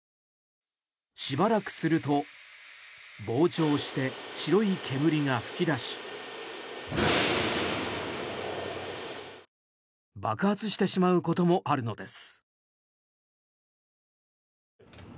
しばらくすると膨張して白い煙が噴き出し爆発してしまうこともあるのです。